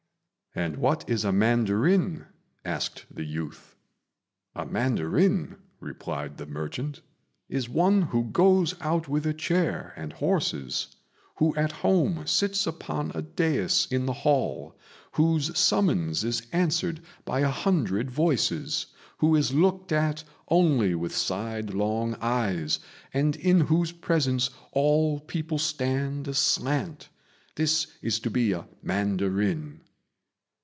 "And what is a mandarin?" asked the youth. "A mandarin," replied the merchant, "is one who goes out with a chair and horses; who at home sits upon a dais in the hall; whose summons is answered by a hundred voices; who is looked at only with sidelong eyes, and in whose presence all people stand aslant; this is to be a mandarin."